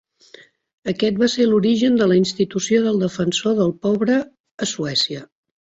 Aquest va ser l'origen de la institució del defensor del pobre a Suècia.